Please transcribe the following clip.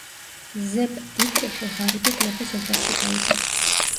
ზეპ დიტრიხი ღარიბი გლეხის ოჯახში დაიბადა.